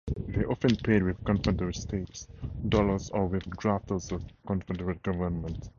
They often paid with Confederate States dollars or with drafts on the Confederate government.